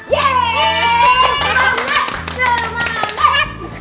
yeay selamat selamat